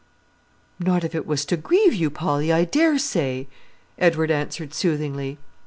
"Not if it was to grieve you, Polly, I dare say," Edward answered soothingly.